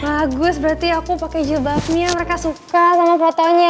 bagus berarti aku pakai jilbabnya mereka suka sama fotonya